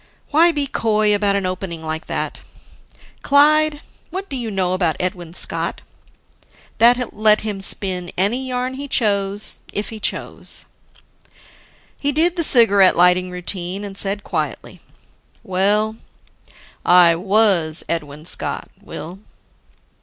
Why be coy about an opening like that? "Clyde, what do you know about Edwin Scott?" That let him spin any yarn he chose if he chose. He did the cigarette lighting routine, and said quietly, "Well, I was Edwin Scott, Will."